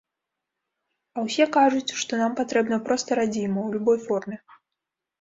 А ўсе кажуць, што нам патрэбна проста радзіма, у любой форме.